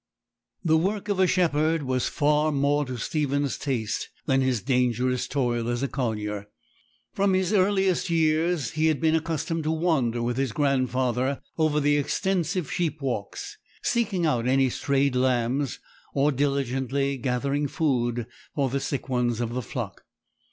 The work of a shepherd was far more to Stephen's taste than his dangerous toil as a collier. From his earliest years he had been accustomed to wander with his grandfather over the extensive sheep walks, seeking out any strayed lambs, or diligently gathering food for the sick ones of the flock.